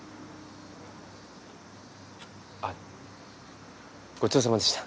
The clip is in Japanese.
あっごちそうさまでした。